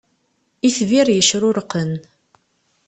Itbir yecrurqen.